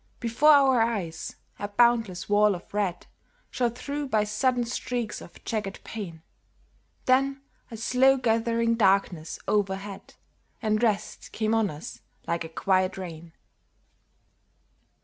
Before our eyes a boundless wall of red Shot through by sudden streaks of jagged pain! Then a slow gathering darkness overhead And rest came on us like a quiet rain.